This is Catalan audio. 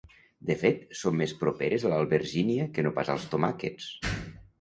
De fet són més properes a l'albergínia que no pas als tomàquets.